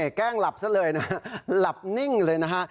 แกล้งหลับซะเลยนะหลับนิ่งเลยนะฮะ